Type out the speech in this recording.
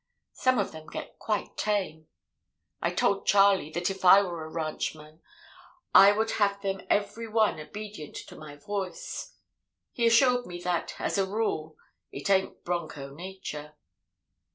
Some of them get quite tame. I told Charley that if I were a ranchman I would have them every one obedient to my voice. He assured me that as a rule it ain't bronco nature.